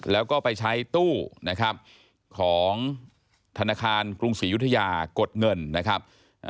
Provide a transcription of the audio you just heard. แล้วก็ไปใช้ตู้นะครับของธนาคารกรุงศรียุธยากดเงินนะครับ